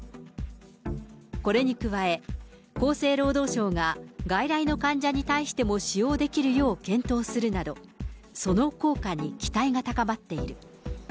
これに加え、厚生労働省が外来の患者に対しても使用できるよう検討するなど、その効果に期待が高まっている。